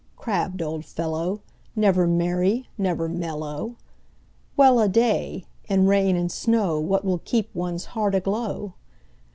crabbed old fellow, Never merry, never mellow! Well a day! in rain and snowWhat will keep one's heart aglow?